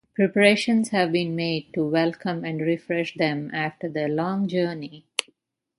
Preparations have been made to welcome and refresh them after their long journey.